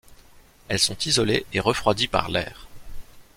Elles sont isolées et refroidies par l'air.